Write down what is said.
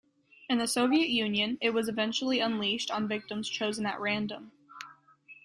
In the Soviet Union, it was eventually unleashed on victims chosen at random.